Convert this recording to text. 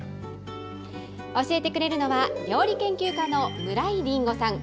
教えてくれるのは、料理研究家の村井りんごさん。